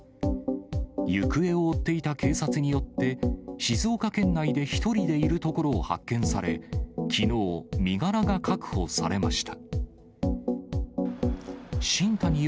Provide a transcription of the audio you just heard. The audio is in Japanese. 行方を追っていた警察によって、静岡県内で１人でいるところを発見され、きのう、身柄が確保されました。